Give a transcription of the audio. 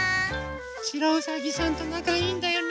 しろうさぎさんとなかいいんだよね。